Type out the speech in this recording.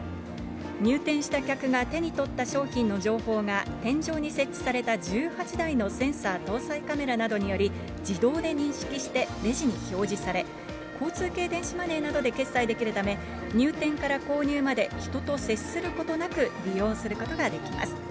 入店した客が手に取った商品の情報が天井に設置された１８台のセンサー搭載カメラなどにより、自動で認識して、レジに表示され、交通系電子マネーなどで決済できるため、入店から購入まで人と接することなく利用することができます。